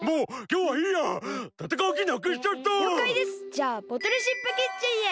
じゃあボトルシップキッチンへ。